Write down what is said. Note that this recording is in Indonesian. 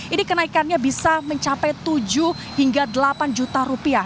ini kenaikannya bisa mencapai tujuh hingga delapan juta rupiah